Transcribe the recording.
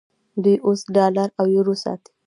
دوی اوس ډالر او یورو ساتي.